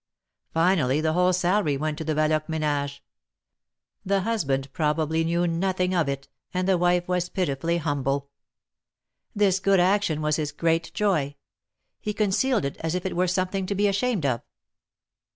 Finally the whole salary went to the Valoque manage. The husband probably knew nothing of it, and the wife was pitifully humble. This good action was his great joy ; he concealed it as if it were something to be ashamed of.